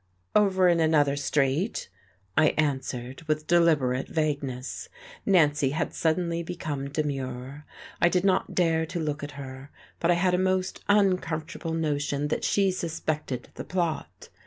"Over in another street," I answered, with deliberate vagueness. Nancy had suddenly become demure. I did not dare look at her, but I had a most uncomfortable notion that she suspected the plot.